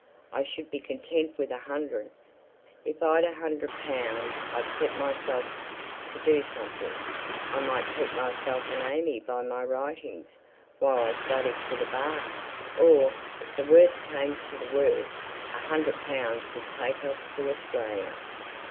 I should be content with a hundred. If I'd a hundred pounds I'd set myself to do something. I might keep myself and AimÄe by my writings while I studied for the bar; or, if the worst came to the worst, a hundred pounds would take us to Australia."